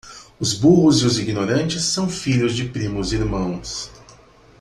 Os burros e os ignorantes são filhos de primos irmãos.